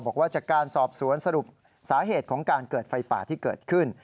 บอกว่าจากการสอบสวนสรุปสาเหตุของการเกิดไฟป่าที่เกิดขึ้น